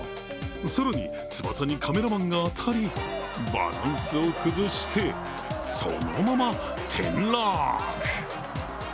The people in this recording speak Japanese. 更に、翼にカメラマンが当たりバランスを崩してそのまま、転落。